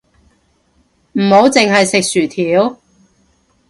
唔好淨係食薯條